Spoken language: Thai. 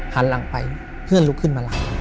หันหลังไปเพื่อนลุกขึ้นมาหลัง